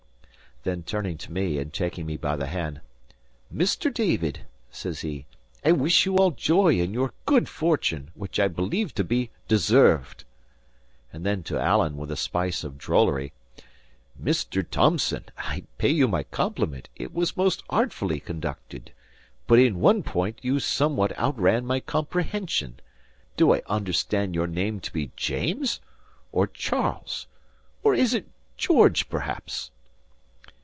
Then, turning to me and taking me by the hand, "Mr. David," says he, "I wish you all joy in your good fortune, which I believe to be deserved." And then to Alan, with a spice of drollery, "Mr. Thomson, I pay you my compliment; it was most artfully conducted; but in one point you somewhat outran my comprehension. Do I understand your name to be James? or Charles? or is it George, perhaps?"